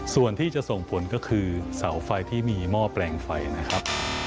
ส่วนที่จะส่งผลก็คือเสาไฟที่มีหม้อแปลงไฟนะครับ